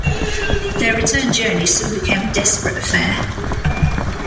Their return journey soon became a desperate affair.